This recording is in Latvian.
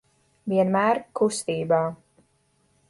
Vienmēr kustībā.